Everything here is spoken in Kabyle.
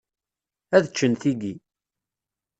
Ad ččen tiyi.